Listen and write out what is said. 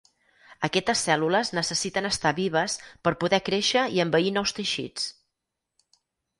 Aquestes cèl·lules necessiten estar vives per poder créixer i envair nous teixits.